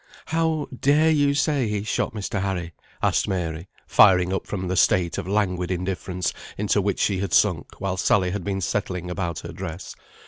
"How dare you say he shot Mr. Harry?" asked Mary, firing up from the state of languid indifference into which she had sunk while Sally had been settling about her dress.